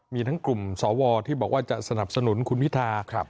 มีทั้งกลุ่มสวที่บอกว่าจะสนับสนุนคุณพิธา